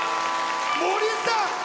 森さん！